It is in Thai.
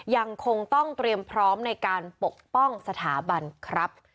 ยังคงต้องเตรียมพร้อมในการปกป้องสถาบันครับ